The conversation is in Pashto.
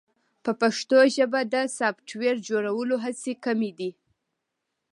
په پښتو ژبه د سافټویر جوړولو هڅې کمې دي.